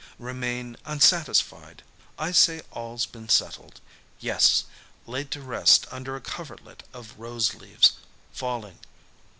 Remain unsatisfied? I say all's been settled; yes; laid to rest under a coverlet of rose leaves, falling.